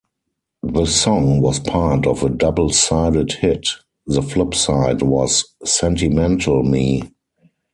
The song was part of a double-sided hit; the flip side was Sentimental Me.